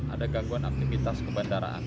ada gangguan aktivitas kebandaraan